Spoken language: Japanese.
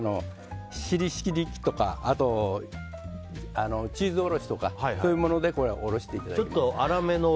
シリシリ器とかチーズおろしとかそういうものでおろしていただいて。